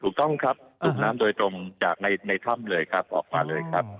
ถูกต้องครับสูบน้ำโดยตรงจากในถ้ำเลยครับออกมาเลยครับ